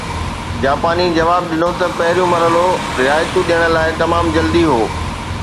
جاپاني جواب ڏنو ته پهريون مرحلو رعايتون ڏيڻ لاءِ تمام جلدي هو